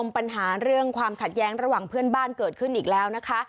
ปัญหาเรื่องความขัดแย้งระหว่างเพื่อนบ้านเกิดขึ้นอีกแล้วนะคะ